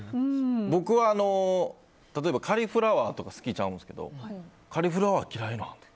僕は例えばカリフラワーとか好きちゃうんですけどカリフラワー嫌いなん？